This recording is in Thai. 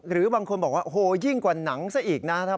หรือบางคนบอกว่าโอ้โหยิ่งกว่าหนังซะอีกนะครับ